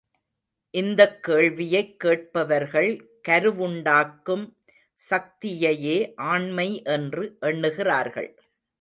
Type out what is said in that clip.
இந்தக் கேள்வியைக் கேட்பவர்கள் கருவுண்டாக்கும் சக்தியையே ஆண்மை என்று எண்ணுகிறார்கள்.